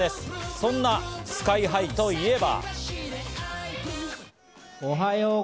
そんなＳＫＹ−ＨＩといえば。